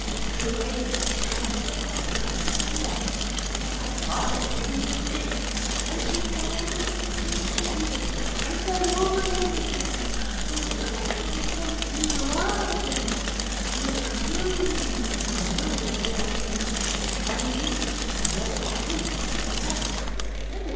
And her Grace had her arm round his neck, for I saw them through the chink; and she fondled and pinched his ear, and said over and over again, 'Robin, my sweet Robin,' and then crooned and moaned at him; and he, whenever he could fetch a breath and oh!